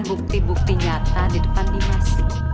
bukti bukti nyata di depan dinas